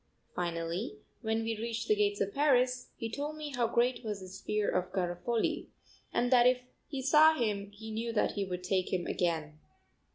Finally, when we reached the gates of Paris, he told me how great was his fear of Garofoli, and that if he saw him he knew that he would take him again.